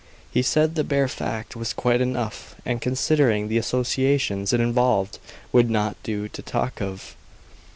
He said the bare fact was quite enough, and considering the associations it involved, would not do to talk of."